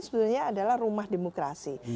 sebenarnya adalah rumah demokrasi